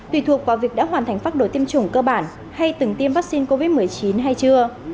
tùy thuộc vào việc đã hoàn thành phác đồ tiêm chủng cơ bản hay từng tiêm vaccine covid một mươi chín hay chưa